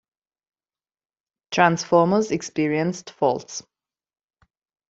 Transformers experienced faults.